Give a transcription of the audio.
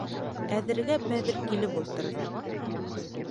Әҙергә бәҙер килеп ултырҙы.